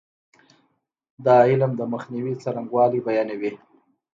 دا علم د مخنیوي څرنګوالی بیانوي.